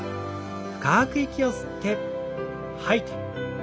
深く息を吸って吐いて。